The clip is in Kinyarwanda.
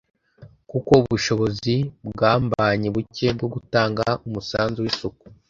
kuko ubushobozi bwambanye bucye bwo gutanga umusanzu w’isuku”